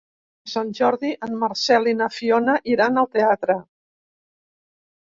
Per Sant Jordi en Marcel i na Fiona iran al teatre.